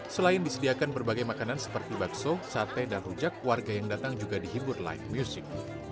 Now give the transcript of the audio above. selain disediakan berbagai makanan seperti bakso sate dan rujak warga yang datang juga dihibur live music